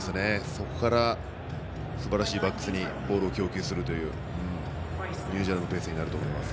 そこからすばらしいバックスにボールを供給するとニュージーランドのペースになると思います。